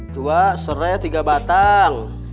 dua sereh tiga batang